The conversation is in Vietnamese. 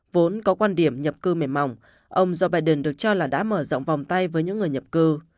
vốn có quan điểm nhập cư mềm mỏng ông joe biden được cho là đã mở rộng vòng tay với những người nhập cư